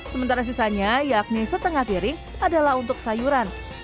sementara sisanya yakni setengah piring adalah untuk sayuran